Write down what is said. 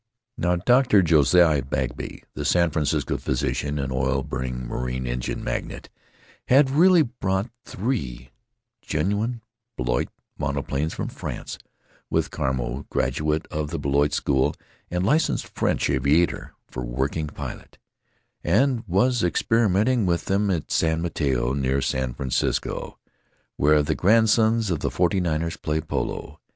Now, Dr. Josiah Bagby, the San Francisco physician and oil burning marine engine magnate, had really brought three genuine Blériot monoplanes from France, with Carmeau, graduate of the Blériot school and licensed French aviator, for working pilot; and was experimenting with them at San Mateo, near San Francisco, where the grandsons of the Forty niners play polo.